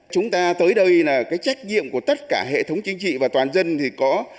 chúng ta tới đây là cái trách nhiệm của tất cả hệ thống chính trị và toàn dân thì có